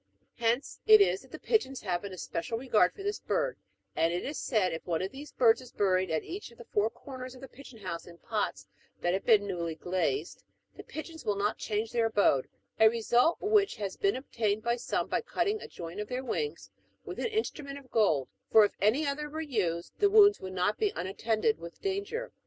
Hence it is that the pigeons have an especitd regard for this bii'd ; and, it is said, if one of these birds is buried at each of the four comers of the pigeon house in pots that have been newly glazed, the pigeons will not change their abode — a result which has been obtained by some by cutting a joint of their wings with an instrument of gold ; for if any other were used, the wounds would be not unattended with danger.